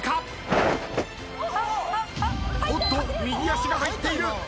右足が入っている。